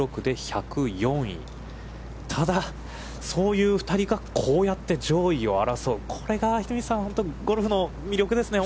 ただ、そういう２人がこうやって上位を争う、これが秀道さん、ゴルフの魅力ですね。